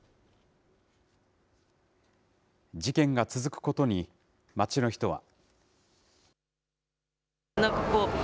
事件が続くことに、街の人は。